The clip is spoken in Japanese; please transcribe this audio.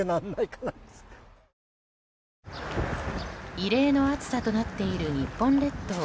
異例の暑さとなっている日本列島。